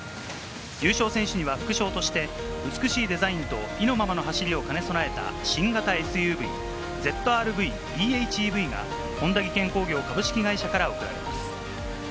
優勝選手には副賞として美しいデザインと意のままの走りを兼ね備えた新型ＳＵＶ「ＺＲ‐Ｖｅ：ＨＥＶ」が本田技研工業株式会社から贈られます。